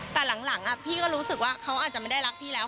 แต่หลังพี่ก็รู้สึกว่าเขาอาจจะไม่ได้รักพี่แล้ว